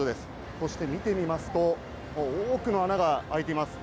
そして見てみますと、多くの穴が開いています。